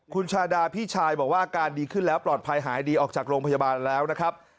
คุณชาดาพี่ชายบอกว่าอาการดีขึ้นแล้วปลอดภัยหายดีออกจากโรงพยาบาลแล้วนะครับ